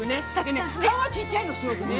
顔がちっちゃいの、すごくね。